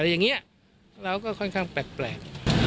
อะไรอย่างเงี้ยเราก็ค่อนข้างแปลก